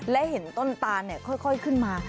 และเห็นต้นตานค่อยขึ้นมา